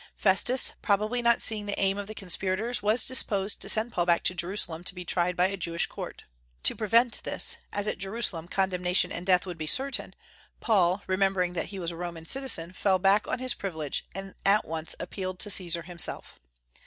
Festus, probably not seeing the aim of the conspirators, was disposed to send Paul back to Jerusalem to be tried by a Jewish court. To prevent this, as at Jerusalem condemnation and death would be certain, Paul, remembering that he was a Roman citizen, fell back on his privilege, and at once appealed to Caesar himself.